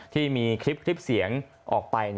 ที่มีคลิปเสียงออกไป